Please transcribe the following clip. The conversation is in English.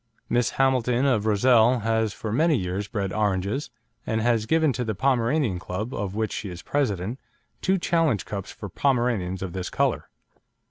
Miss Hamilton of Rozelle has for many years bred "oranges," and has given to the Pomeranian Club, of which she is President, two challenge cups for Pomeranians of this colour.